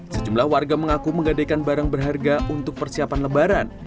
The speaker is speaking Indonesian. sejumlah warga mengaku menggadaikan barang berharga untuk persiapan lebaran